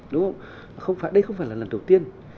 đây không phải là lần đầu tiên